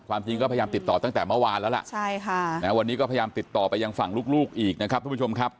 จริงก็พยายามติดต่อตั้งแต่เมื่อวานแล้วล่ะวันนี้ก็พยายามติดต่อไปยังฝั่งลูกอีกนะครับทุกผู้ชมครับ